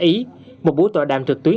ý một buổi tỏa đàm trực tuyến